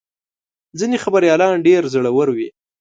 ځینې خبریالان ډېر زړور وي.